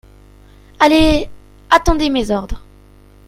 Allez… attendez mes ordres.